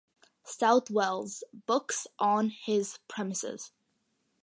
Southwell's books on his premises.